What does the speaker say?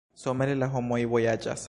Somere la homoj vojaĝas.